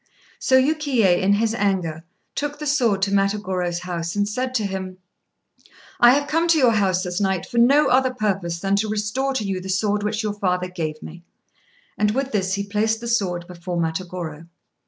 So Yukiyé, in his anger, took the sword to Matagorô's house, and said to him "I have come to your house this night for no other purpose than to restore to you the sword which your father gave me;" and with this he placed the sword before Matagorô.